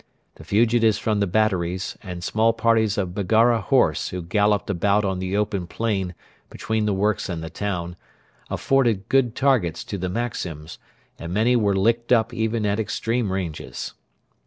The fugitives from the batteries, and small parties of Baggara horse who galloped about on the open plain between the works and the town, afforded good targets to the Maxims, and many were licked up even at extreme ranges.